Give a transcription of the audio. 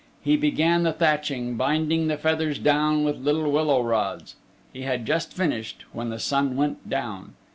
He began the thatching, binding the feathers down with little willow rods. He had just finished when the sun went down.